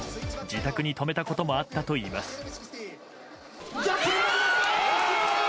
自宅に泊めたこともあったといいます。